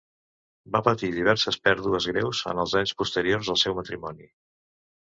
Va patir diverses pèrdues greus en els anys posteriors al seu matrimoni.